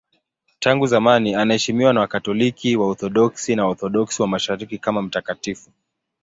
Tangu zamani anaheshimiwa na Wakatoliki, Waorthodoksi na Waorthodoksi wa Mashariki kama mtakatifu.